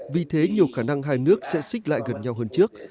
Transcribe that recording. vì thế nhiều khả năng hai nước sẽ xích lại gần nhau hơn trước